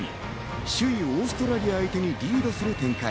首位オーストラリア相手にリードする展開。